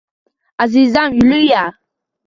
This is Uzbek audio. Azizam Yuliya!